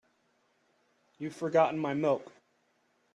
You've forgotten my milk.